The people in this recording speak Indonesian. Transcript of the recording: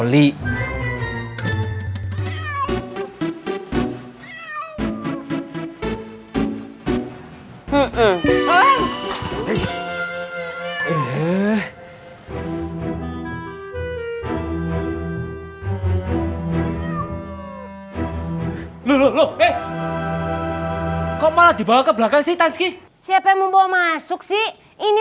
lu lu lu kok malah dibawa ke belakang sih tansky siapa yang membawa masuk sih ini